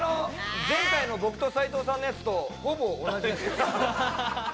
僕と斉藤さんのやつとほぼ同じです。